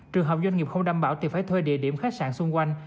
trường hợp doanh nghiệp không đảm bảo thì phải thuê địa điểm khách sạn xung quanh